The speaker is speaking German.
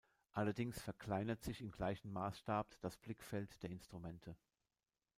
Allerdings verkleinert sich im gleichen Maßstab das Blickfeld der Instrumente.